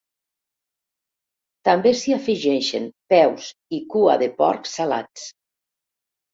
També s'hi afegeixen peus i cua de porc salats.